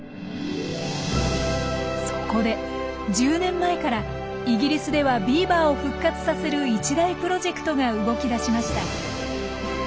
そこで１０年前からイギリスではビーバーを復活させる一大プロジェクトが動き出しました。